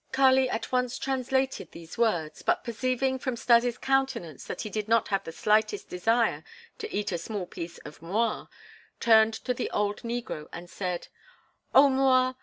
Kali at once translated these words, but perceiving from Stas' countenance that he did not have the slightest desire to eat a small piece of M'Rua, turned to the old negro and said: "Oh, M'Rua!